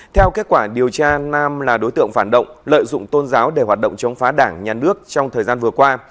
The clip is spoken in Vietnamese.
theo kết quả điều tra nam là đối tượng phản động lợi dụng tôn giáo để hoạt động chống phá đảng nhà nước trong thời gian vừa qua